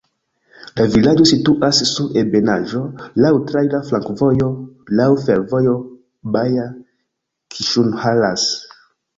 La vilaĝo situas sur ebenaĵo, laŭ traira flankovojo, laŭ fervojo Baja-Kiskunhalas.